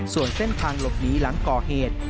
ส่วนเส้นทางหลบหนีหลังก่อเหตุ